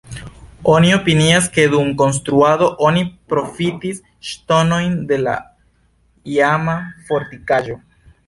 Oni opinias, ke dum konstruado oni profitis ŝtonojn de la iama fortikaĵo.